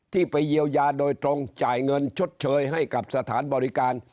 ไปเยียวยาโดยตรงจ่ายเงินชดเชยให้กับสถานบริการ